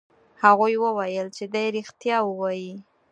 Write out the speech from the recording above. هغوی وویل چې دی رښتیا وایي.